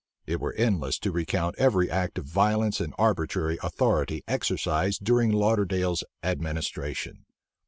* In 1675. It were endless to recount every act of violence and arbitrary authority exercised during Lauderdale's administration.